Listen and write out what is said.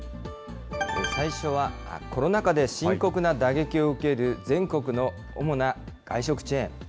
最初はコロナ禍で深刻な打撃を受ける、全国の主な外食チェーン。